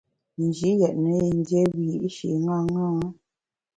Nji yètne yin dié wiyi’shi ṅaṅâ.